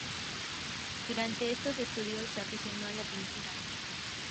Durante estos estudios se aficionó a la pintura.